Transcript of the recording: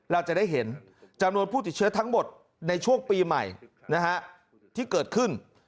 เราจะได้เห็นจำนวนผู้ติดเชื้อทั้งหมดในช่วงปีใหม่ที่เกิดขึ้น